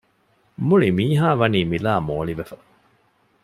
މުޅިމީހާވަނީ މިލާ މޯޅިވެފަ